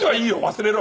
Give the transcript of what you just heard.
忘れろ。